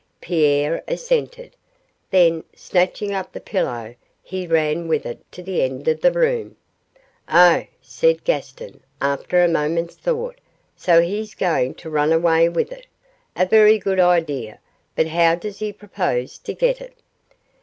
Pierre assented; then, snatching up the pillow, he ran with it to the end of the room. 'Oh,' said Gaston, after a moment's thought, 'so he's going to run away with it. A very good idea; but how does he propose to get it?